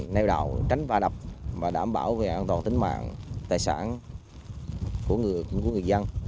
nêu đạo tránh và đập và đảm bảo về an toàn tính mạng tài sản của người